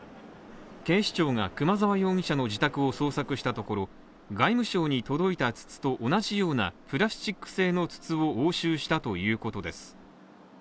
警視庁が熊沢容疑者の自宅を捜索したところ、外務省に届いた筒と同じようなプラスチック製の筒を押収したということです。